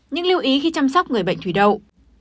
những lưu ý khi chăm sóc người bệnh thủy đậu